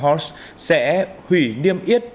horses sẽ hủy niêm yết